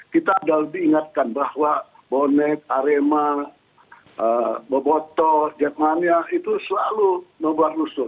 kita sudah lebih ingatkan bahwa bonek arema bobotos jetmania itu selalu membuat rusuh